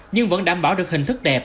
nhưng vẫn đảm bảo được hình thức đẹp